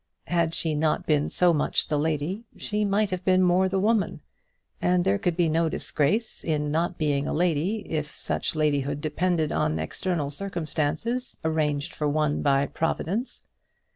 Had she not been so much the lady, she might have been more the woman. And there could be no disgrace in not being a lady, if such ladyhood depended on external circumstances arranged for one by Providence.